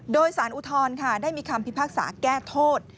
โดยสารอุทธรณ์ค่ะได้มีคำพิพากษาแก้โทษ